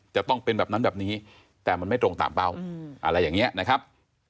จะต้องเป็นแบบนั้นแบบนี้แต่มันไม่ตรงตามเป้าอะไรอย่างนี้นะครับ